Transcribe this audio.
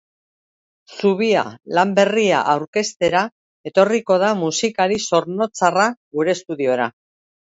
Zubia lan berria aurkeztera etorriko da musikari zornotzarra gure estudiora.